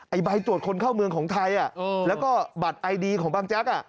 ใบตรวจคนเข้าเมืองของไทยแล้วก็บัตรไอดีของบางแจ๊ก